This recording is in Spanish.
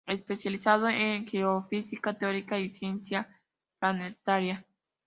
Especializado en geofísica teórica y ciencia planetaria.